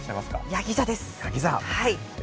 やぎ座です。